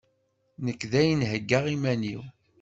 Nekk dayen heggaɣ iman-iw!